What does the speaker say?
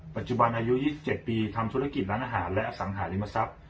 ปัจจุบันอายุ๒๗ปีทำธุรกิจร้านอาหารและอสังหาริมทรัพย์